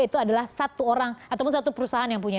itu adalah satu orang ataupun satu perusahaan yang punya